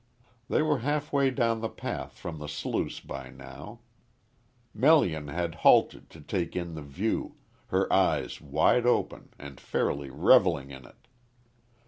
They were halfway down the path from the sluice by now. Melian had halted to take in the view, her eyes wide open and fairly revelling in it.